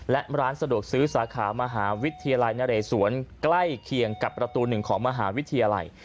และร้านสะดวกซื้อสาขามหาวิทยาลัยนเรศวรใกล้เคียงกับประตูหนึ่งของมหาวิทยาลัย